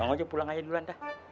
udah pulang aja dulu anda